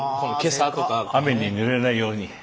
雨にぬれないように。